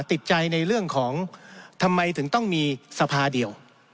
ติดใจในเรื่องของทำไมถึงต้องมีสภาเดียว